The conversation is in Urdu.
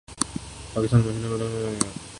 پاکستانی معاشرے کا بیلنس ٹوٹ گیا۔